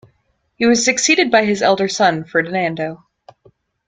He was succeeded by his elder son, Ferdinando.